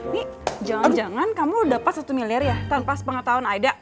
wih jangan jangan kamu udah pas satu miliar ya tanpa sepengat tahun aida